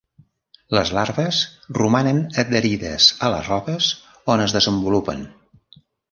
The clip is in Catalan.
Les larves romanen adherides a les roques on es desenvolupen.